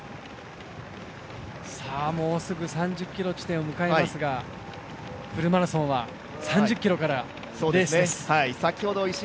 もうすぐ３０ｋｍ地点を迎えますが、フルマラソンは３０ｋｍからレースです。